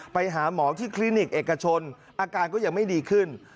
ไปหาหมอที่คลินิกเอกชนอาการก็ยังไม่ดีขึ้น